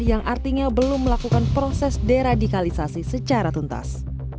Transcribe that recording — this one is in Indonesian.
yang artinya belum melakukan proses deradikalisasi secara tuntas